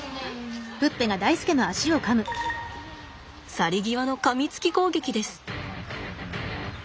去り際のかみつき攻撃です。